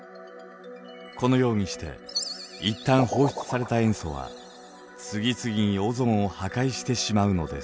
このようにして一旦放出された塩素は次々にオゾンを破壊してしまうのです。